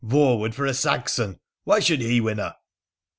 Voewood for a Saxon ! Why should he win her